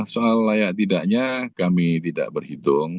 soal layak tidaknya kami tidak berhitung